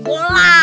bukan main bola